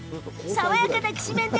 爽やかなきしめん。